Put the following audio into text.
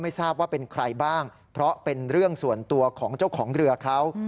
ทราบว่าเป็นใครบ้างเพราะเป็นเรื่องส่วนตัวของเจ้าของเรือเขา